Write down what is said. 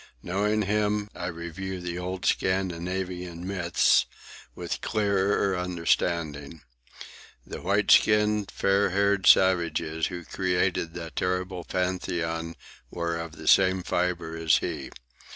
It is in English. Knowing him, I review the old Scandinavian myths with clearer understanding. The white skinned, fair haired savages who created that terrible pantheon were of the same fibre as he.